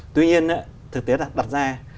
tuy nhiên thực tế đặt ra